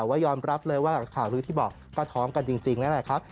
ว่ายอมรับเลยว่าข่าวลื้อที่บอกก็ท้องกันจริงนั่นแหละครับ